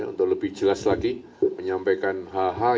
untuk lebih jelas lagi menyampaikan hal hal